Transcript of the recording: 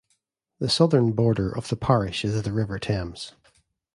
The southern border of the parish is the River Thames.